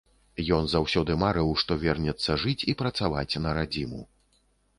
Ён заўсёды марыў, што вернецца жыць і працаваць на радзіму.